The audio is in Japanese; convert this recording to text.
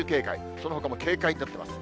そのほかも警戒と出てます。